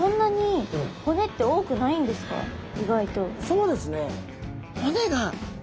そうですね。